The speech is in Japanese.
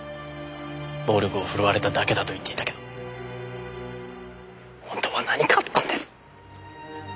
暴力を振るわれただけだと言っていたけど本当は何かあったんです。